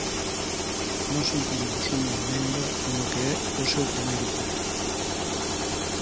Nós incluímos unha emenda no que é o seu primeiro punto.